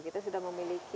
kita sudah memiliki